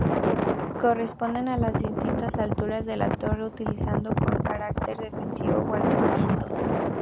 Corresponden a las distintas alturas de la torre, utilizadas con carácter defensivo o alojamiento.